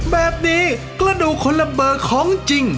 แบบนี้กระดูกคนละเบอร์ของจริง